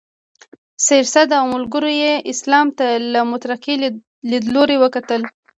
سرسید او ملګرو یې اسلام ته له مترقي لیدلوري وکتل.